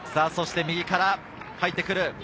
そして右から入ってくる。